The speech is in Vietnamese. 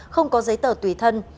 không có giấy tờ tùy thân